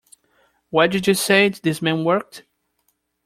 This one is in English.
Where did you say this man worked?